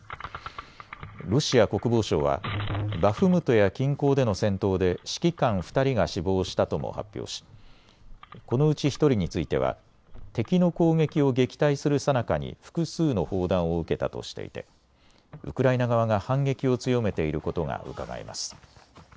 ロシア国防省はバフムトや近郊での戦闘で指揮官２人が死亡したとも発表しこのうち１人については敵の攻撃を撃退するさなかに複数の砲弾を受けたとしていてウクライナ側が反撃を強めていることがうかがえます。